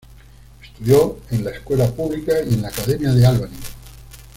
Estudió en la escuela pública y en la Academia de Albany.